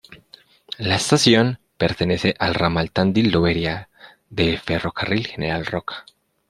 La estación pertenece al ramal Tandil-Lobería del Ferrocarril General Roca.